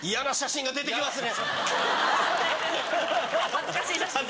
恥ずかしい写真ですね。